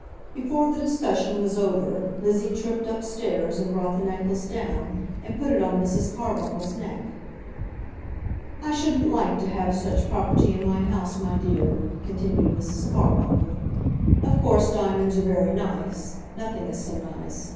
Before the discussion was over, Lizzie tripped up stairs and brought the necklace down, and put it on Mrs. Carbuncle's neck. "I shouldn't like to have such property in my house, my dear," continued Mrs. Carbuncle. "Of course, diamonds are very nice. Nothing is so nice.